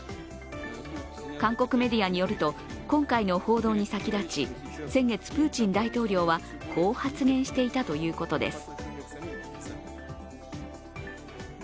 韓国メディアによると、今回の報道に先立ち、先月、プーチン大統領はこう発言していたということです。